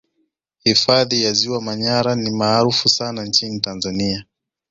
Hifadhi ya Ziwa Manyara ni maarufu sana nchini Tanzania